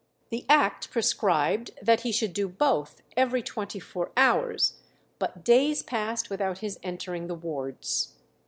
The act prescribed that he should do both every twenty four hours, but days passed without his entering the wards.